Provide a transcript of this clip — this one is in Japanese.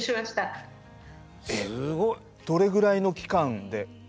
すごい！どれぐらいの期間で。